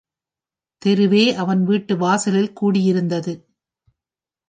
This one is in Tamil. தெருவே அவன் வீட்டு வாசலில் கூடியிருந்தது.